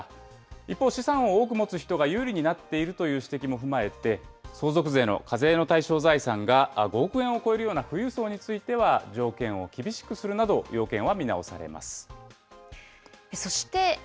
一方、資産を多く持つ人が有利になっているという指摘も踏まえて、相続税の課税の対象財産が５億円を超えるような富裕層については、条件を厳しくするなど、要件は見直されます。